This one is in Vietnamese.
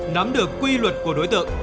nắm được quy luật của đối tượng